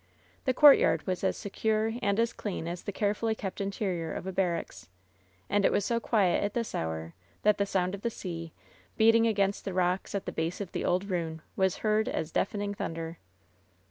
The courtyard was as secure and as clean as the care fully kept interior of a barracks. And it was so quiet at this hour that the sound of the sea, beating against the rocks at the base of the old ruin, was heard as deafening thunder.